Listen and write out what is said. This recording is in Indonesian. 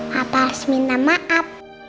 papa harus minta maaf